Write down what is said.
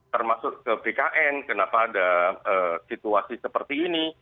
termasuk ke bkn kenapa ada situasi seperti ini